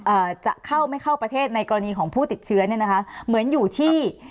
จะเข้าไม่เข้าประเทศในกรณีของผู้ติดเชื้อเนี่ยนะคะเหมือนอยู่ที่